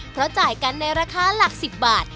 เพราะจ่ายกันในราคาหลัก๑๐บาท